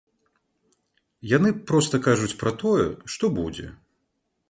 Яны проста кажуць пра тое, што будзе.